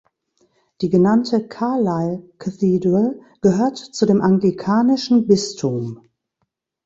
Die genannte "Carlisle Cathedral" gehört zu dem anglikanischen Bistum.